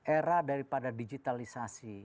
era daripada digitalisasi